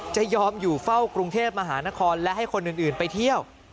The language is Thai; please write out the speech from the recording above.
จะยอมอยู่เฝ้ากรุงเทพมหานครและให้คนอื่นไปเที่ยว